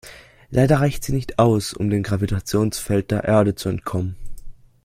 Leider reicht sie nicht aus, um dem Gravitationsfeld der Erde zu entkommen.